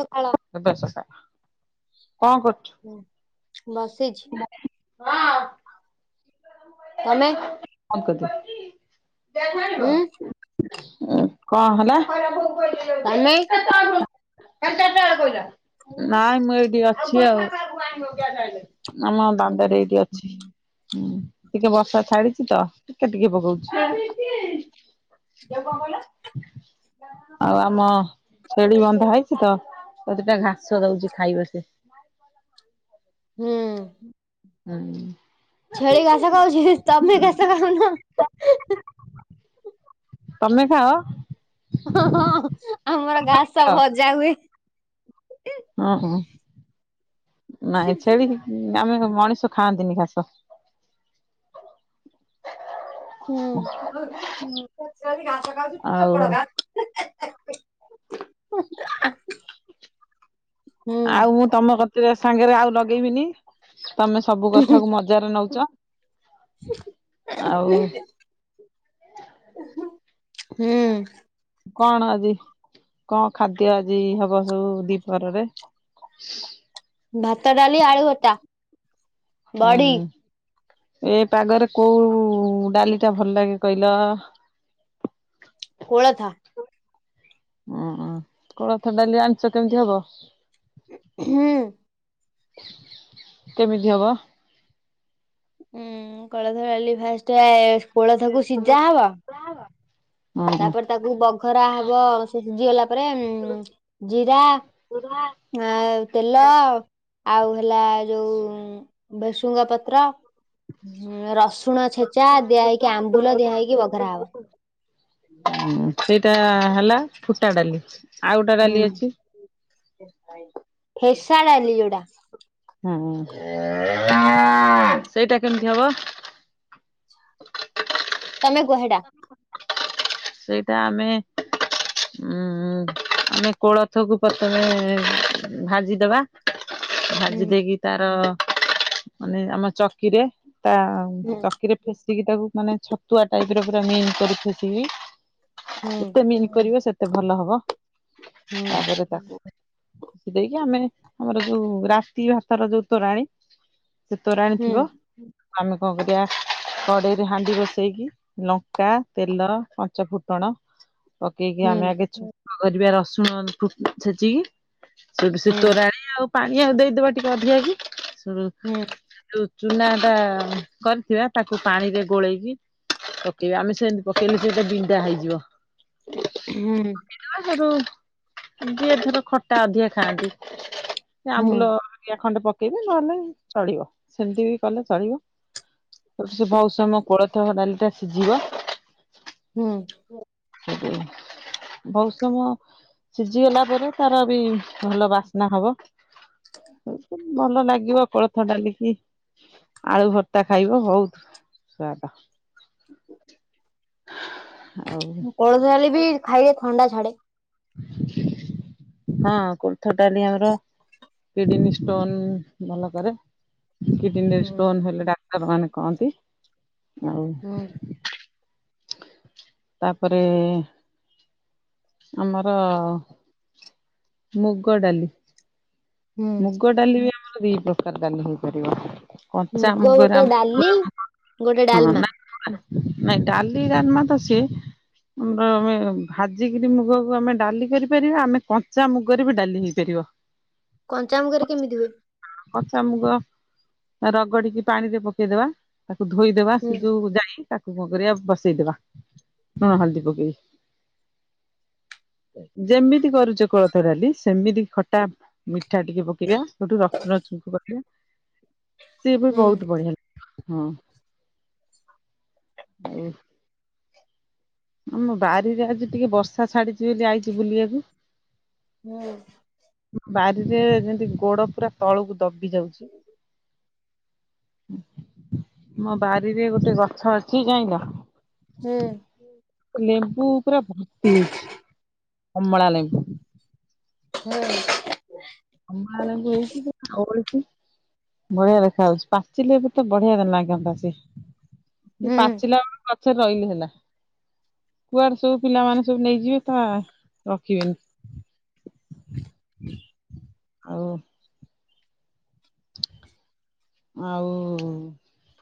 ପଖାଳ ସଦା ସକାଳ କଣ ହୁଁ ବସିଚି। ହଁ। [unintelligible] ତମେ? ହୁଁ [unintelligible] ଉଁ କଣ ହେଲା? ତମେ? ଏ ଯାଉନୁ କାଲି ଚାରିଟା ବେଳେ କଇଲା। ନାଇଁ ମୁଁ ଏଇଠି ଅଛି ଆଉ ଆମ ଦାଣ୍ଡରେ ଏଇଠି ଅ ହୁଁ ଟିକେ ବର୍ଷା ଛାଡ଼ିଚିତ ଟିକେ ଟିକେ ପକୋଉଚି। ଝିଅକୁ କଣ କଇଲ? ଆଉ ଆମ ଛେଳି ବନ୍ଧା ହେଇଚି ତ। ତାକୁ ଦିଟା ଘାସ ଦଉଚି ଖାଇବ ସେ। ହୁଁ ହୁଁ। ଛେଳି ଘାସ ଖାଉଚି ତମେ ଘାସ ଖାଉନ ହୁ ହୁ। ତମେ ଖାଅ? ହଁ ହଁ ଆମର ଘାସ ଖାଅ? ଭଜା ହୁଏ। ହଁ ହ ନାଇଁ ଛେଳିକି ଉ ଆମେ ମଣିଷ ଖାଆନ୍ତିନି ଘାସ। ହୁଁ ତୁ କୋଉନୁ କ ଛେଳି ଘାସ ଖାଉଚି ତୁ ଆଉ ଚୋକୋଢ଼ ଖା। [unintelligible] ଆଉ ମୁଁ ତମ କତିରେ ସାଙ୍ଗରେ ଆଉ ଲଗେଇବିନି ତମେ ସବୁ କଥା କୁ ମଜାରେ ନଉଚ। ହୁଁ। କଣ ଆଜି କଣ ଖାଦ୍ୟ ଆଜି ହବ ସବୁ ଦିପହରରେ? ଭାତ ଡ଼ାଲି ଆଳୁ ଭର୍ତା। ହୁଁ ଏ ପାଗରେ କୋଉ ଡ଼ାଲି ଟା ଭଲ ଲାଗେ କହିଲ? କୋଳଥ। ଓହ କୋଳଥ ଡ଼ାଲି ଜାଣିଚ କେମିତି ହବ? ହୁଁ। କେମିତି ହବ? ଉଁ କୋଳଥ ଡ଼ାଲି ଫାଷ୍ଟେ କୋଳଥକୁ ସିଝା ହବ। ଡ୍ରା ହବ। ତାପରେ ତାକୁ ପଘରା ହବ ସିଝି ଗଲା ପରେ ଉଁ ଜିରା ଆ ତେଲ ଆଉ ହେଲା ଯୋଉ ବେଶୁଙ୍ଗା ପତ୍ର ଉଁ ରସୁ ରସୁଣ ଛେଚା ଦିଆହେଇକି ଆମ୍ୱୁଲ ଦିଆହେଇକି ପଘରା ହବ। ଉଁ ସେଇଟା ହେଲା ଫୁଟା ଡ଼ାଲି ଆଉ ଗୋଟେ ହୁଁ ଡ଼ାଲି ଅଛି। ଫେସା ଡ଼ାଲି ଯଉଟା। ହୁଁ ସେଇଟା କେମିତି ହବ? ତମେ କୁହହେଟା? ସେଇଟା ଆମେ ଉଁ ଆମେ କୋଳଥ କୁ ପ୍ରଥମେ ଭାଜିଦେବା ହୁଁ ଭାଜି ଦେଇକି ତାର ମାନେ ଆମ ଚକିରେ ତା ଉଁ ହୁଁ ଚକିରେ ଫେସିକି ତାକୁ ମାନେ ଛତୁଆ ଟାଇପର ପୁରା ମିନ୍ କରି ଥୋଇଥିବି ହୁଁ ଯେତେ ମିଲ୍ କରିବ ସେତେ ଭଲ ହବ ହୁଁ ତାପରେ ତାକୁ ସେ ଦେଇକି ଆମେ ଆମର ଯୋଉ ରାତି ଭାତର ଯୋଉ ତୋରାଣି ସେ ତୋରାଣୀ ହୁଁ ଥିବ ଆମେ କଣ କରିବା କଡେଇରେ ହାଣ୍ଡି ବସେଇକି ଲଙ୍କା, ତେଲ, କ ପଞ୍ଚଫୁଟଣ ପକେଇକି ହୁଁ ଆମେ ଆଗେ ଛୁଙ୍କ କରିବା ରସୁଣ ଫୁ ଛେଚିକି ସେଠୁ ସେ ହୁଁ ତୋରାଣି ଆଉ ପାଣି ଆଉ ଦେଇଦବା ଟିକେ ଅଧିକା କି ସେଠୁ ହୁଁ। ଯୋଉ ଚୁନା ଟା କରିଥିବା ତାକୁ ପାଣିରେ ଗୋଳେଇକି ପକେଇବା ଆମେ ସେମତି ପକେଇଲେ ସେଇଟା ବିଣ୍ଡା ହେଇଯିବ। ହୁଁ। [unintelligible] ଯିଏ ଧର ଖଟା ଅଧିକା ଖାଆନ୍ତି। ସେ ହୁଁ ଆମ୍ବୁଲ ହରିକା ଖଣ୍ଡେ ପକେଇବେ ନହେଲେ ଚଳିବ ସେମିତି ବି କଲେ ଚଳିବ। ସେ ବହୁତ ସମୟ କୋଳଥ ଡାଲିଟା ସିଝିବ ହୁଁ। ବହୁତ ସମୟ ସିଝିଗଲା ପରେ ତାର ବି ଭଲ ବାସ୍ନା ହବ। [inaudible] ଭଲ ଲାଗିବ କୋଳଥ ଡାଲିକି ଆଳୁ ଭର୍ତା ଖାଇବ ହଉ ସୁଆଦ ଆଉ କୋଳଥ ଡାଲି ବି ଖାଇଲେ ଥଣ୍ଡା ଛାଡେ। ହଁ କୋଳଥ ଡାଲି ଆମର କିଡନୀ ଷ୍ଟୋନ ଭଲ କରେ। କିଡନୀରେ ହୁଁ ଷ୍ଟୋନ ହେଲେ ଡାକ୍ତର ମାନେ କହନ୍ତି ଆଉ ହୁଁ। ତାପରେ ଆମର ମୁଗ ଡାଲି ହୁଁ ମୁ ମୁଗ ଡାଲି ବି ଆମର ଦି ପ୍ରକାର ଡାଲି ହେଇପାରିବ। କଞ୍ଚା ମୁଗ ମୁଗରେ ଗୋଟେ ଆମେ ଡାଲି [unintelligible] ଗୋଟେ ହଁ ଡାଲମା ନା ନାଇଁ ଡାଲି ଡାଲମା ତ ସିଏ [unintelligible] ଆମେ ଭାଜିିକିରି ମୁଗ କୁ ଆମେ ଡାଲି କରିପାରିବା ଆମେ କଞ୍ଚା ମୁଗରେ ବି ଡାଲି ହେଇପାରିବ। କଞ୍ଚାମୁଗରେ କେମିତି ହୁଏ? କଞ୍ଚା ମୁଗ ରଗଡିକି ପାଣିରେ ପକେଇଦବା। ତାକୁ ଧୋଇଦେବା ହୁଁ ସେ ଯୋଉ ଯାଇ ତାକୁ କଣ କରିବା ବସେଇଦବା ଲୁଣ, ହଳଦୀ ପକେଇ ଯେମିତି କରୁଛ କୋଳଥ ଡାଲି ସେମିତି ଖଟା ମିଠା ଟିକେ ପକେଇବା ସେଠୁ ର ରଜ କୁ କରିବା ସିଏ ବି ହୁଁ ବହୁତ ବଢିଆ ଲାଗେ। ହଁ, ଆଉ ଆମ ବାରିରେ ଆଜି ଟିକେ ବର୍ଷା ଛାଡିଛି ବୋଲି ଆଇଛି ବୁଲିବାକୁ। ହୁଁ ବାରି ରେ ଯେମିତି ଗୋଡ ପୁରା ତଳକୁ ଦବି ଯାଉଛି। ମୋ ବାରି ରେ ଗୋଟେ ଗଛ ଅଛି ଯାଇଁଲ ହୁଁ। ଲେମ୍ବୁ ପୁରା ଭର୍ତ୍ତି ହେଇଛି, କମଳା ଲେମ୍ବୁ [unintelligible] ହୁଁ। କମଳା ଲେମ୍ବୁ ହେଇଛି କି ଓହଳିଛି? ବଢିଆ ଦେଖାଯାଉଛି, ପାଚିଲେ ବି ତ ବଢିଆ ଲାଗନ୍ତା ସେ ହୁଁ ପାଚିଲା ଗଛରେ ରହିଲେ ହେଲା। କୁଆଡେ ସବୁ ପିଲାମାନେ ସବୁ ନେଇଯିବେ ତା ରଖିବେନି। [unintelligible] ହଉ। ଆଉ,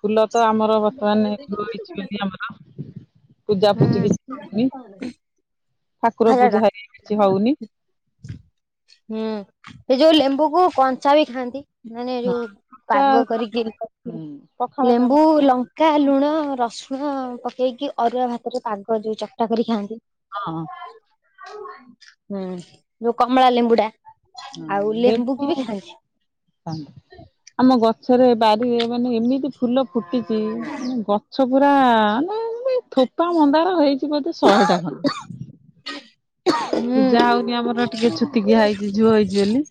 ଫୁଲ ତ ଆମର ବର୍ତ୍ତମାନ ହେଇଥିବ ହେଇଛି ବୋଲି ଆମର। ପୂଜା ହୁଁ ପୂଜି କିଛି ହଉନି, ଠାକୁର ହଜାର ଟଙ୍କା। ପୂଜା ହରିକା କିଛି ହଉନି। ହୁଁ, ଏ ଯୋଉ ଲେମ୍ବୁକୁ କଞ୍ଚା ବି ଖାଆନ୍ତି। ମାନେ ହଁ ଯୋଉ ଚା ପାଗ କରିକି ପଖାଳରେ ଲେମ୍ବୁ ହଁ ଲ ଲଙ୍କା, ଲୁଣ, ରସୁଣ ପକେଇକି ଅରୁଆ ଭାତରେ ପାଗ ଯୋଉ ଚକଟା କରି ଖାଆନ୍ତି। ହଁ। ହୁଁଁ, ଯୋଉ କମଳା, ଲେମ୍ବୁ ଟା ଆଉ ଲେମ୍ବୁ କି ବି ଖାଆନ୍ତି। [unintelligible] ଆମ ଗଛରେ ବାରିରେ ମାନେ ଏମିତି ଫୁଲ ଫୁଟିଛି ଗଛ ପୁରା ମାନେ ମାନେ ଥୋପା ମନ୍ଦାର ହେଇଛି ବୋଧେ ଶହେଟା ଖଣ୍ଡ। ହୁଁ ପୂଜା ହଉନି ଆମର ଟିକେ ଛୁତିକିଆ ହେଇଛି ଝିଅ ହେଇଛି ବୋଲି।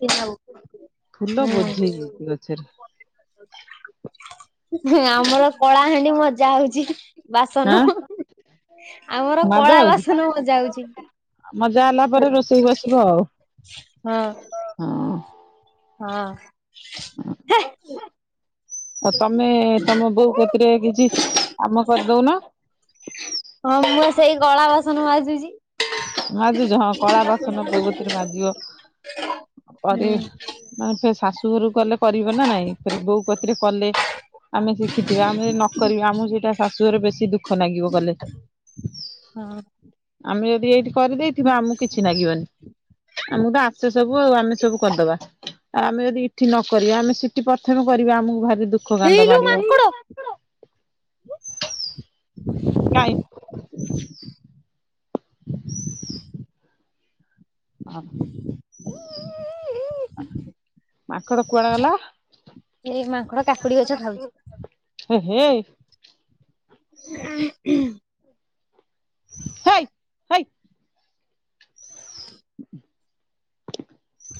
ଫୁଲ ବୋଝିହି ହୁଁ ହେଇଛି ଗଛରେ। ହୁଁ, ଆମର କଳାହାଣ୍ଡି ମଜା ହଉଛି ବାସନ, ଆଁ ହୁଁ। ଆମର ମଜା କଳା ହଉଛି ବାସନ ମଜା ହଉଛି। ମଜା ହେଲା ପରେ ରୋଷେଇ ବସିବ ଆଉ। ହଁ। ହଁ। ହଁ। ହୁଁ ହୁଁ। ଆଉ ତମେ ତମ ବୋଉ କତିରେ କିଛି କାମ କରିଦଉନ, ହଁ, ମୁଁ ସେଇ କଳା ବାସନ ମାଜୁଛି। ମାଜୁଛ ହଁ କଳା ବାସନ କୋବତିରେ ମାଜିବ ହୁଁ କରିବି, ମାନେ ଫ ଶାଶୁ ଘରକୁ କଲେ କରିବ ନା ନାଇଁ ଫେର୍ ବୋଉ କତିରେ କଲେ ଆମେ ଶିଖିଥିବା ଆମେ ନକରିବା ଆମକୁ ସେଇଟା ଶାଶୁରେ ବେଶୀ ଦୁଃଖ ଲାଗିବ କଲେ ତ ହଁ। ଆମେ ଯଦି ଏଇଠି କରିଦେଇଥିବା ଆମକୁ କିଛି ଲାଗିବନି। ଆମକୁ ତ ଆସ ସବୁ ଆଉ ଆମେ ସବୁ କରିଦବା ଆଉ ଆମେ ଯଦି ଏଇଠି ନ କରିବା ଆମେ ସେଠି ପ୍ରଥମେ କରିବା ଆମକୁ ଭାରି ଦୁ ହେଇଲୋ ମାଙ୍କଡ଼, କାଇ, ହଉ। ଉଁ, ଉଁ, ଉଁ। ମାଙ୍କଡ ମାଙ୍କଡ଼ କୁଆଡେ କୁଆଡ଼େ ଗଲା ଏଇ ମାଙ୍କଡ କାକୁଡି ଗଛ ଖାଉଛି। ଏ ହେ, ହ। ହେଇ ହେଇ,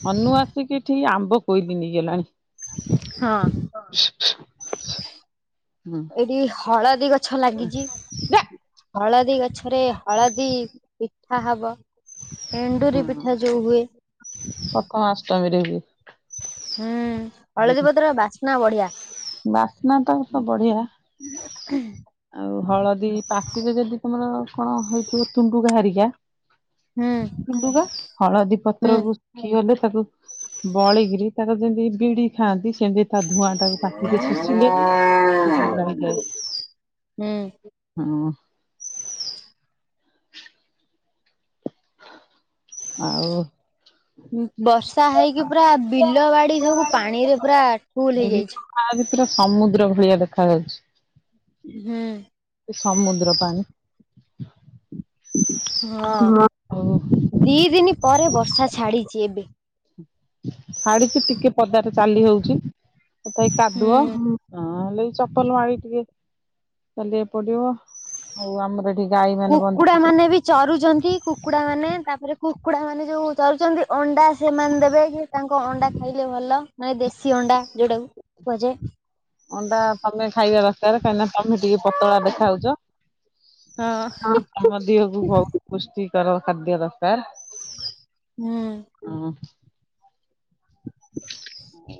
ହନୁ ଆସିକି ଠିକ ଆମ୍ବ କୋଇଲିି ନେଇଗଲାଣି। ହଁ। ହୁ [inaudible] ଏଇଠି ହଳଦୀ ଗଛ ଲାଗିଛି, ଯା ହଳଦୀ ଗଛରେ ହଳଦୀ ପିଠା ହବ। ଏଣ୍ଡୁରି ପିଠା ଯୋଉ ହୁଏ, ପ୍ରଥମାଷ୍ଟମୀରେ ବି। ହୁଁ ହଳଦୀ ପତ୍ର ବାସ୍ନା ବଢିଆ। ବାସ୍ନା ତ ସବ ବଢିଆ। [unintelligible] ଆଉ ହଳଦୀ ପାଟିରେ ଯଦି ତମର କଣ ହେଇଥିବ ତୁଣ୍ଡୁକାହାରିକା ହୁଁ ତୁଣ୍ଡୁକା ହଳଦୀ ହୁଁ ପତ୍ରକୁ କି ଗଲେ ତାକୁ ବଳେଇିକିରି ତାର ଯେମିତି ବିଡି ଖାଆନ୍ତି ସେମିତି ତା ଧୂଆଁ ଟାକୁ କାଟିକି ଶୋଷିଲେ ଭ ହେଇଯାଏ ହୁଁ ହଁ। ଆଉ ବର୍ଷା ହେଇକି ପୁରା ବିଲ ବାଡି ସବୁ ପାଣିରେ ପୁରା ଫୁଲ ହେଇଯାଇଛି ଭିତରେ ସମୁଦ୍ର ଭଳିଆ ଦେଖା ଯାଉଛି ହୁଁ। ସମୁଦ୍ର ପାଣି ଆଉ ହଁ ଦି ଦିନି ପରେ ବର୍ଷା ଛାଡିଛି ଏବେ। ଛାଡିଛି ଟିକେ ପଦାରେ ଚାଲି ହଉଛି ତଥାପି କାଦୁଅ ହୁଁ ନହେଲେ ଚପଲ ମାରିକ ଟିକେ ଚାଲି ପଡିବ ଆଉ ଆମର ଏଠି ଗାଈ ମାନେ ବନ୍ଧା କୁକୁଡା ହେଇଛନ୍ତି ମାନେ ବି ଚରୁଛନ୍ତି କୁକୁଡ଼ାମାନେ ତାପରେ କୁକୁଡ଼ା ମାନେ ଯେଉଁ ଚରୁଛନ୍ତି ଅଣ୍ଡା ସେମାନେ ଦେବେ କି ତାଙ୍କ ଅଣ୍ଡା ଖାଇଲେ ଭଲ ମାନେ ଦେଶୀ ଅଣ୍ଡା ଯୋଉଟାକୁ କୁହାଯାଏ। ଅଣ୍ଡା ତମେ ଖାଇବା ଦରକାର କାହିଁକି ନା ତମେ ଟିକେ ପତଳା ଦେଖା ଯାଉଛ। ହ ଆମ ଦେହକୁ ବହୁତ ପୁଷ୍ଟିକର ଖାଦ୍ୟ ଦରକାର। ହୁଁ। ଉଁ ହୁଁ। ହ।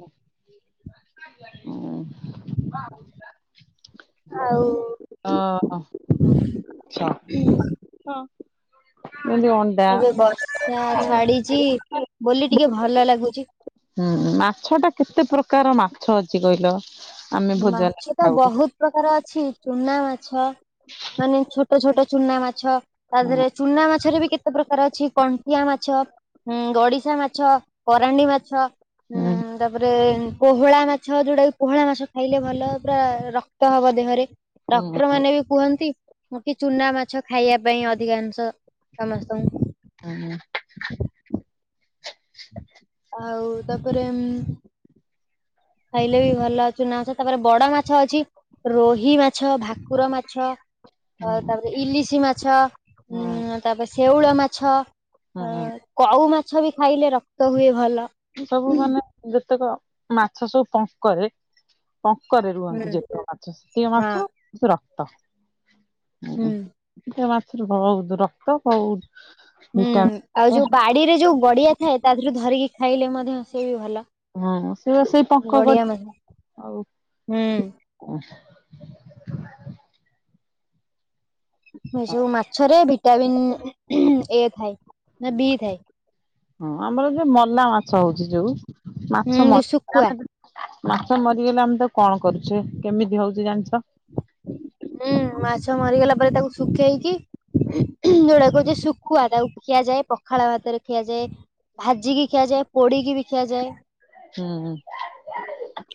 ହୁଁ ଆଉ ଓ ହୋ ହଁ ଏମିତି ଅ ଏବେ ବର୍ଷା ଛାଡିଛି ବୋଲି ଟିକେ ଭଲ ଲାଗୁଛି। ହୁଁ ମାଛ ଟା କେତେ ପ୍ରକାର ମାଛ ଅଛି କହିଲ? ଆମେ ଭୋଜନରେ ମାଛ ଟା ଖାଉ ହୁଁ ବହୁତ ପ୍ରକାର ଅଛି ଚୁନା ମାଛ ମାନେ ଛୋଟ ଛୋଟ ଚୁନା ମାଛ ତା ଦେହରେ ଚୁନା ମାଛ ରେ ବି କେ କେତେ ପ୍ରକାର ଅଛି କଣ୍ଟିଆ ମାଛ ଉଁ ଗଡିଶା ମାଛ କରାଣ୍ଡି ମାଛ ଉଁ ହୁଁ ତାପରେ ପୋହଳା ମାଛ ଯୋଉଟାକି ପୋହଳା ମାଛ ଖାଇଲେ ଭଲ ପୁରା ର କ୍ତ ହବ ଦେହରେ ହୁଁ ଡକ୍ଟର ମାନେ ବି କୁହନ୍ତି କି ଚୁନା ମାଛ ଖାଇବା ପାଇଁ ଅଧିକାଂଶ ସମସ୍ତଙ୍କୁ ଉଁ ହୁଁ। [inaudible] ଆଉ ତାପରେ ଉଁ ଖାଇଲେ ବି ଭଲ ଚୁନା ମାଛ ତାପରେ ବଡ ମାଛ ଅଛି ରୋହି ମାଛ ଭାକୁର ମାଛ ଅ ତାପରେ ଇଲିଶି ମାଛ। ଉଁ ହଁ। ତାପରେ ଶେଉଳ ମାଛ ହୁଁ କଉ ମାଛ ବି ଖାଇଲେ ରକ୍ତ ହୁଏ ଭଲ।। ସବୁ ମାନେ ଯେତେକ ମାଛ ସବୁ ପଙ୍କରେ ପଙ୍କରେ ହୁଁ ରୁହନ୍ତି ଯେତକ ମାଛ ସେତୀୟ ହଁ। ମାଛ ରକ୍ତ। ହୁଁ ଟେ ମାଛରେ କଉ ରକ୍ତ କଉ। ହୁଁ ଆଉ ଯୋଉ ବାଡିରେ ଯୋଉ ବଡିଆ ଥାଏ ତା ରୁ ଧରିକି ଖାଇଲେ ମଧ୍ୟ ସେ ବି ଭଲ। ହଁ ସେ ସେଇ ପଙ୍କ ଗଡିଆ ମାଛ ଆଉ ହୁଁ ଉଁ ଏ ସବୁ ମାଛରେ ଭିଟାମିନ୍ ଏ ଥାଏ ନା ବି ଥାଏ। ହଁ ଆମର ଯୋଉ ମଲା ମାଛ ହଉଛି ଯୋଉ ହୁଁ ମାଛ ମ ଯୋଉ [inaudible] ଶୁଖୁଆ ମାଛ ମରିଗଲେ ଆମେ ତାକୁ କଣ କରୁଛେ କେମିତି ହଉଛି ଜାଣିଛ? ହୁଁ ମାଛ ମରିଗଲା ପରେ ତାକୁ ଶୁଖେଇକି ଯୋଉଡା କହୁଛି ଶୁଖୁଆ ତାକୁ ଖିଆଯାଏ ପଖାଳ ଭାତରେ ଖିଆଯାଏ। ଭାଜିିକି ଖିଆଯାଏ ପୋଡିକି ବି ଖିଆଯାଏ। ହୁଁ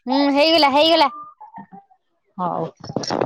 ହୁଁ ହେଇଗଲା ହେଇଗଲା। ହୋଉ।